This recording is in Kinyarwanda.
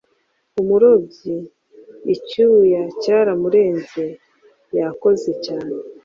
umurobyi icyuya cyaramurenze, yakoze cyane